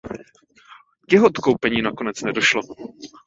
K jeho odkoupení nakonec nedošlo.